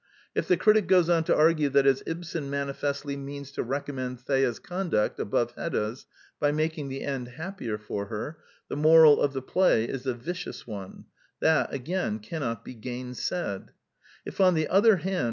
If the critic goes on to argue that as Ibsen manifestly means to recommend Thea's conduct above Hedda's by making the end happier for her, the moral of the play is a vicious one, that, again, cannot be gainsaid. If, on the other hand.